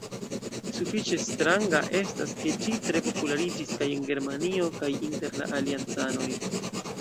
Sufiĉe stranga estas ke ĝi tre populariĝis kaj en Germanio kaj inter la aliancanoj.